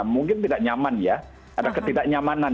mungkin tidak nyaman ya ada ketidaknyamanan